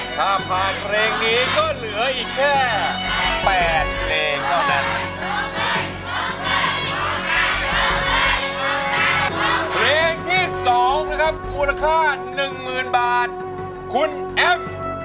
ถ้าผ่านเพลงนี้ก็เหลืออีกแค่๘เพลงเท่านั้น